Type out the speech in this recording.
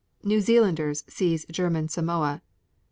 New Zealanders seize German Samoa.